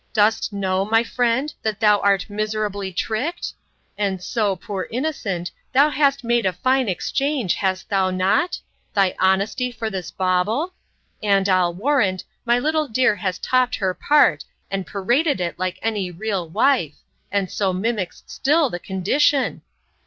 Dost know, my friend, that thou art miserably tricked? And so, poor innocent, thou hast made a fine exchange, hast thou not? Thy honesty for this bauble? And, I'll warrant, my little dear has topped her part, and paraded it like any real wife; and so mimics still the condition!